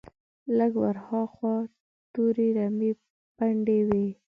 لږ ور هاخوا تورې رمې پنډې وې.